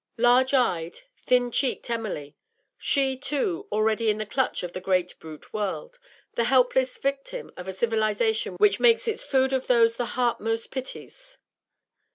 Large eyed, thin checked Emily; she, too, already in the clutch of the great brute world, the helpless victim of a civilisation which makes its food of those the heart most pities.